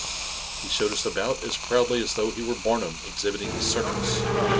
He showed us about as proudly as though he were Barnum exhibiting his circus.